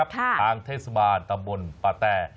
ทางเทศบาลตำบลปาแต้